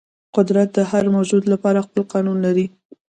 قدرت د هر موجود لپاره خپل قانون لري.